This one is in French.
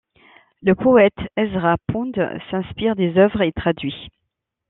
Le poète Ezra Pound s’inspire des œuvres, et traduit '.